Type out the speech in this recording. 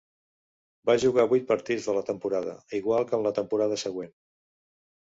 Va jugar vuit partits de la temporada, igual que en la temporada següent.